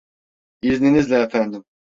İzninizle efendim.